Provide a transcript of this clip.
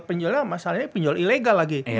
penjualnya masalahnya pinjol ilegal lagi